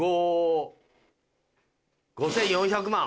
５４００万。